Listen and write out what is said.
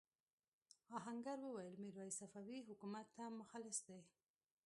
آهنګر وویل میرويس صفوي حکومت ته مخلص دی.